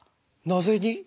なぜに？え？